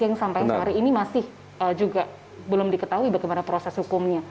yang sampai sore ini masih juga belum diketahui bagaimana proses hukumnya